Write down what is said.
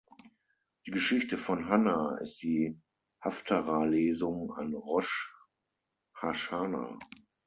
Die Geschichte von Hannah ist die Haftarah-Lesung an Rosch ha-Schana.